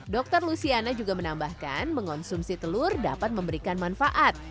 dokter luciana juga menambahkan mengonsumsi telur dapat memberikan manfaat